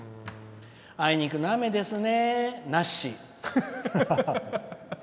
あいにくの雨ですね」。